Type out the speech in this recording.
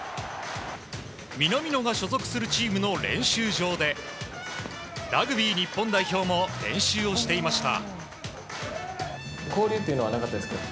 南野が所属するチームの練習場でラグビー日本代表も練習をしていました。